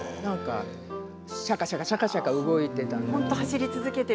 シャカシャカシャカシャカ動いていて。